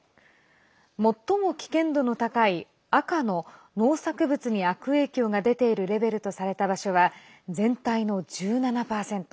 最も危険度の高い赤の農作物に悪影響が出ているレベルとされた場所は全体の１７％。